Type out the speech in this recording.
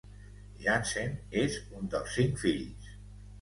Jantzen és un dels cinc fills.